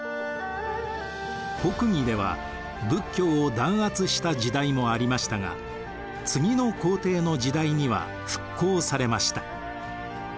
北魏では仏教を弾圧した時代もありましたが次の皇帝の時代には復興されました。